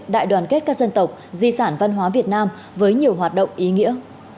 đại đoàn kết các dân tộc di sản văn hóa việt nam với nhiều hoạt động ý nghĩa